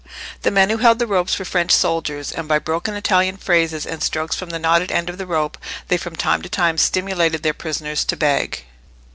The men who held the ropes were French soldiers, and by broken Italian phrases and strokes from the knotted end of the rope, they from time to time stimulated their prisoners to beg.